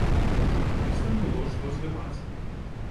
Каб журналістам было што здымаць.